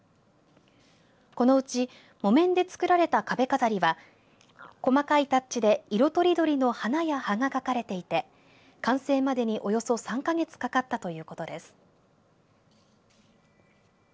このうち木綿で作られた壁飾りは細かいタッチで色とりどりの花や葉が描かれていて完成までに、およそ３か月かかったということです。